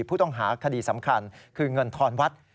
ผู้ต้องหาคดีสำคัญคือเงินทอนวัด